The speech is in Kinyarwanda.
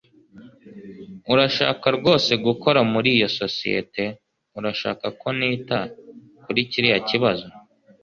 Urashaka rwose gukora muri iyo sosiyete? Urashaka ko nita kuri kiriya kibazo?